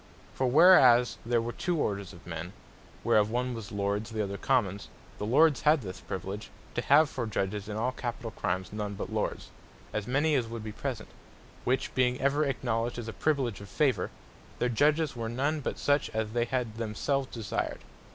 For whereas there were two orders of men, whereof one was Lords, the other Commons; The Lords had this Priviledge, to have for Judges in all Capitall crimes, none but Lords; and of them, as many as would be present; which being ever acknowledged as a Priviledge of favour, their Judges were none but such as they had themselves desired.